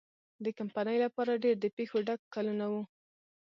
د کمپنۍ لپاره ډېر د پېښو ډک کلونه وو.